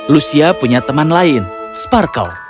lucia punya teman lain sparkle